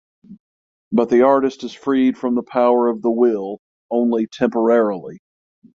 But the artist is freed from the power of the will only temporarily.